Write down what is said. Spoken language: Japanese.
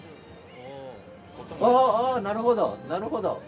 ああああなるほどなるほど！